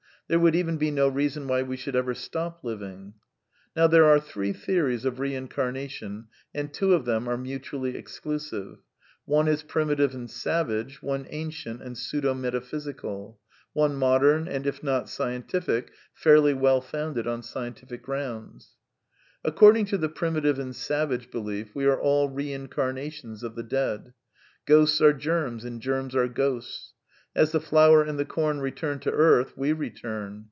There would even be^no rea J why we should eve^stop Uying. Now there are three theories of Eeincamation, and two of them are mutually exclusive. One is primitive and sav age; one ancient and pseudo metaphysical; one modem, and, if not scientific, fairly well founded on scientific grounds. According to the primitive and savage belief, we are all reincarnations of the dead. Ghosts are germs and germs are ghosts. As the flower and the com return to earth, we return.